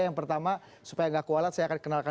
yang pertama supaya gak kualat saya akan kenalkan